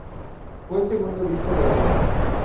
Fue el segundo disco de la banda.